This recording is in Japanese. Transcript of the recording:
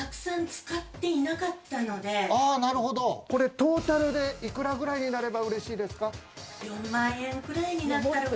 トータルで、幾らぐらいになれば嬉しいですか？